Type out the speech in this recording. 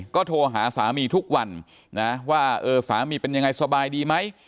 ก็โทรหาสามีทุกวันนะว่าเออสามีเป็นยังไงสบายดีไหม